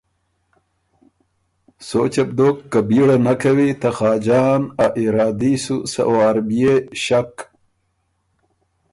سوچه بو دوک که بیړه نک کوی ته خاجان ا ارادي سُو سۀ وار بيې ݭک